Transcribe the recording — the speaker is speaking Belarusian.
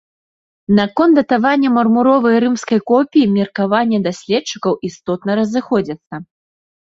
Наконт датавання мармуровай рымскай копіі меркавання даследчыкаў істотна разыходзяцца.